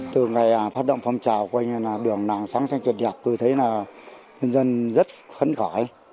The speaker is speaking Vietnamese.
từ ngày phát động phong trào đường làng sáng sạch đẹp tôi thấy là nhân dân rất khấn khỏi